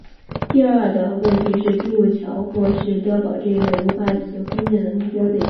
第二的问题是诸如桥或是碉堡这一类无导引空用炸弹难以发挥作用的目标类型。